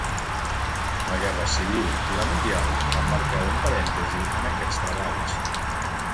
La Guerra Civil i la mundial van marcar un parèntesi en aquests treballs.